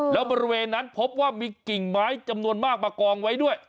แล้วบริเวณนั้นพบว่ามีกิ่งไม้จำนวนมากมากองไว้ด้วย